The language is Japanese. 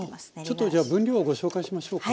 ちょっとじゃあ分量をご紹介しましょうか。